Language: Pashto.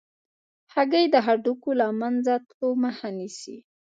هګۍ د هډوکو له منځه تلو مخه نیسي.